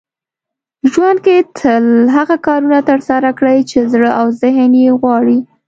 ژوند کې تل هغه کارونه ترسره کړئ چې زړه او ذهن يې غواړي .